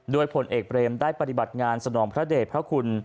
โดยผลเอกเบรมได้ปฏิบัติงานสนองพระเดชพระคุณ